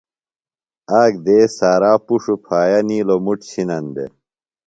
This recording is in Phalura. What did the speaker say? آک دیس سارا پُݜوۡ پھایہ نِیلوۡ مُٹ چِھنن دےۡ۔